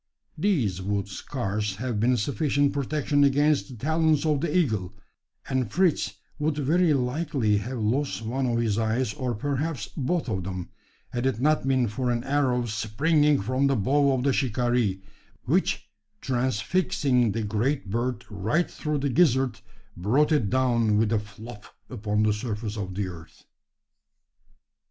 These would scarce have been sufficient protection against the talons of an eagle; and Fritz would very likely have lost one of his eyes, or perhaps both of them, had it not been for an arrow springing from the bow of the shikaree; which, transfixing the great bird right through the gizzard, brought it down with a "flop" upon the surface of the earth.